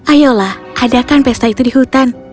ayolah adakan pesta itu di hutan